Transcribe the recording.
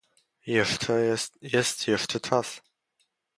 Jest jeszcze czas